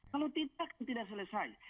kalau tidak tidak selesai